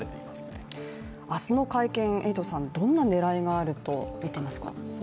明日の会見、エイトさん、どんな狙いがあると見てますか。